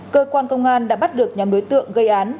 cơ quan công an đã bắt được nhóm đối tượng gây án